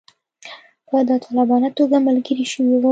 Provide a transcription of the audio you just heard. په داوطلبانه توګه ملګري شوي وه.